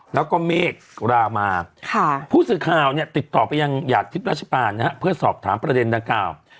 แล้วก็เมฆรามาผู้สื่อข่าวเนี่ยติดต่อไปยังหยาดทิพย์ราชปานนะฮะเพื่อสอบถามประเด็นดังกล่าว